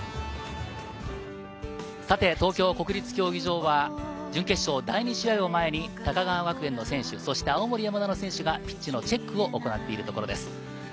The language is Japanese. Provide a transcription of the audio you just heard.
東京・国立競技場は準決勝第２試合を前に高川学園の選手、そして青森山田の選手がピッチのチェックを行っているところです。